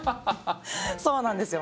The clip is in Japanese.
そうなんですよ。